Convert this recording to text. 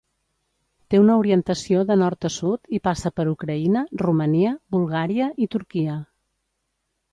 Té una orientació de nord a sud i passa per Ucraïna, Romania, Bulgària i Turquia.